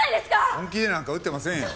本気でなんか打ってませんよ。